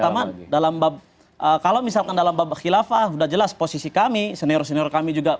pertama dalam bab kalau misalkan dalam babak khilafah sudah jelas posisi kami senior senior kami juga